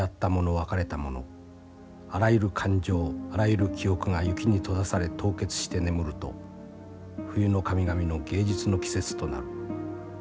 別れたものあらゆる感情あらゆる記憶が雪に閉ざされ凍結して眠ると冬の神々の芸術の季節となる。